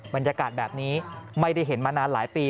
บรรยากาศแบบนี้ไม่ได้เห็นมานานหลายปี